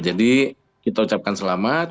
jadi kita ucapkan selamat